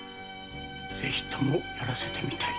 ぜひともやらせてみたい。